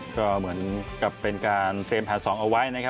ก็เหมือนกับเป็นการเกมผ่านสองเอาไว้นะครับ